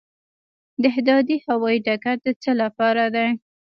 دهدادي هوايي ډګر د څه لپاره دی؟